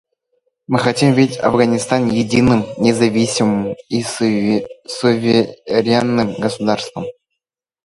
Мы хотим видеть Афганистан единым, независимым и суверенным государством.